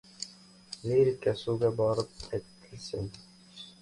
Lirika suvga borib aytilsin!